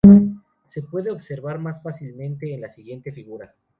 Se puede observar más fácilmente en la siguiente figura.